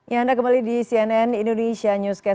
ya anda kembali di cnn indonesia newscast